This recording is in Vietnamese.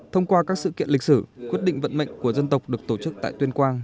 thông qua các sự kiện lịch sử quyết định vận mệnh của dân tộc được tổ chức tại tuyên quang